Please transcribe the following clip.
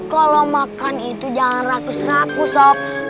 kalau makan itu jangan rakus rakus sob